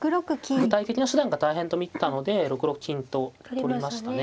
具体的な手段が大変と見たので６六金と取りましたね。